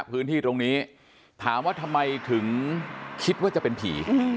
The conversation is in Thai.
พื้นที่ตรงนี้ถามว่าทำไมถึงคิดว่าจะเป็นผี